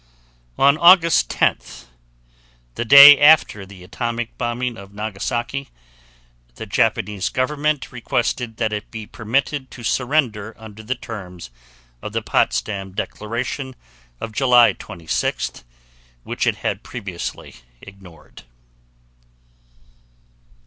On August 10, the day after the atomic bombing of Nagasaki, the Japanese government requested that it be permitted to surrender under the terms of the Potsdam declaration of July 26th which it had previously ignored.